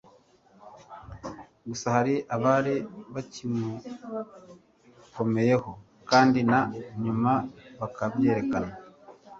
gusa hari abari bakimukomeyeho kandi na nyuma bakabyerekana